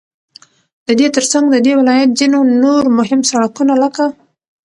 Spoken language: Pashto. ددې ترڅنگ ددې ولايت ځينو نور مهم سړكونه لكه: